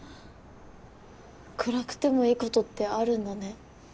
暗くてもいいことってあるんだね。